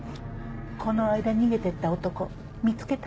この間逃げてった男見つけた？